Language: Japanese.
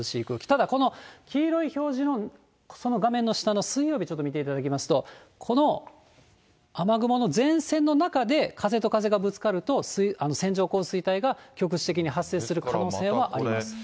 ただ、この黄色い表示のその画面の下の水曜日、ちょっと見ていただきますと、この雨雲の前線の中で風と風がぶつかると、線状降水帯が局地的に発生する可能性はあります。